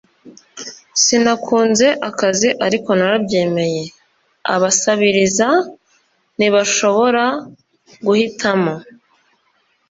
sinakunze akazi, ariko narabyemeye. abasabiriza ntibashobora guhitamo. ”